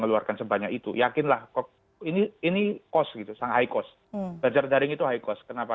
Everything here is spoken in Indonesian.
keluarkan sebanyak itu yakinlah kok ini ini kos gitu sang high cost becerdari itu high cost kenapa